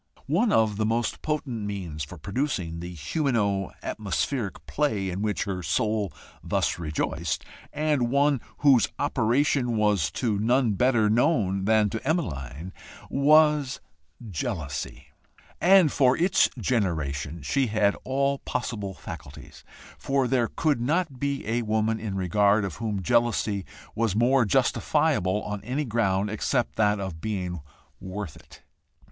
One of the most potent means for producing the humano atmospheric play in which her soul thus rejoiced, and one whose operation was to none better known than to Emmeline, was jealousy, and for its generation she had all possible facilities for there could not be a woman in regard of whom jealousy was more justifiable on any ground except that of being worth it.